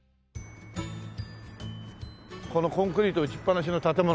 このコンクリート打ちっぱなしの建物。